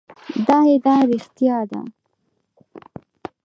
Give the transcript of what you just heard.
دا ادعا رښتیا ده.